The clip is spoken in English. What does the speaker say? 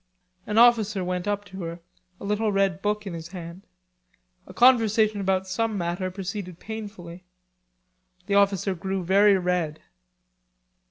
An officer went up to her, a little red book in his hand. A conversation about some matter proceeded painfully. The officer grew very red.